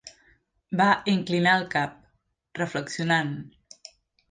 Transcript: Va inclinar el cap, reflexionant.